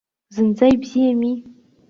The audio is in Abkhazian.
Зынӡа ибзиами!